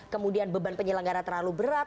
kemudian beban penyelenggara terlalu berat